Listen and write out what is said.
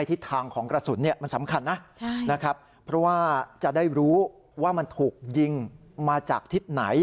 ทิศทางของกระสุนมันสำคัญนะนะครับเพราะว่าจะได้รู้ว่ามันถูกยิงมาจากทิศไหน